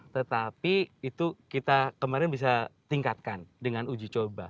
tetapi itu kita kemarin bisa tingkatkan dengan uji coba